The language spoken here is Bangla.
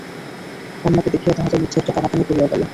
কন্যাকে দেখিয়া তাঁহাদের মধ্যে একটা কানাকানি পড়িয়া গেল।